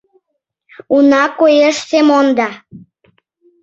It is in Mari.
Уна коеш Семонда.